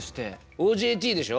ＯＪＴでしょ？